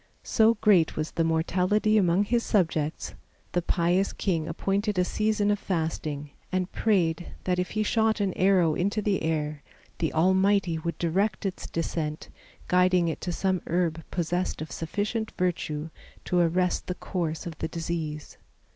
So great was the mortality among his subjects, the pious king appointed a season of fasting, and prayed that if he shot an arrow into the air the Almighty would direct its descent, guiding it to some herb possessed of sufficient virtue to arrest the course of the disease.